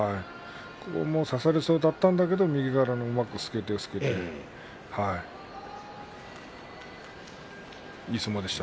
差されそうだったんだけれども右からうまくすくいました。